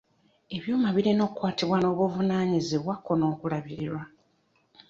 Ebyuma birina okukwatibwa n'obuvunaanyizibwa kko n'okulabirirwa.